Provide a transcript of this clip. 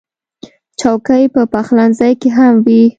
چوکۍ په پخلنځي کې هم وي.